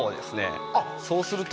そうすると。